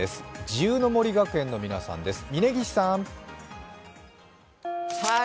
自由の森学園の皆さんです。